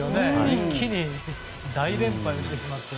一気に大連敗してしまって。